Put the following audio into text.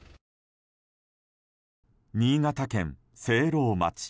新潟県聖籠町。